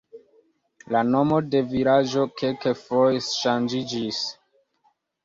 La nomo de vilaĝo kelkfoje ŝanĝiĝis.